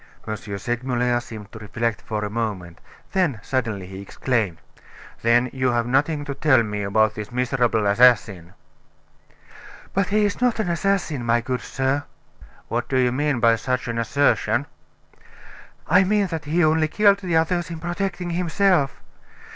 Segmuller seemed to reflect for a moment; then, suddenly, he exclaimed: "Then you have nothing to tell me about this miserable assassin?" "But he is not an assassin, my good sir." "What do you mean by such an assertion?" "I mean that he only killed the others in protecting himself.